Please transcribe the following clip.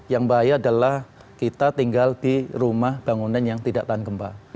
yang bahaya adalah kita tinggal di rumah bangunan yang tidak tahan gempa